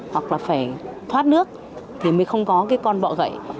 hoặc là phải thoát nước thì mới không có cái con bọ gậy